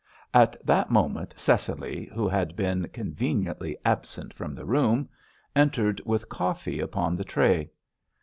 At that moment Cecily, who had been conveniently absent from the room, entered with coffee upon the tray.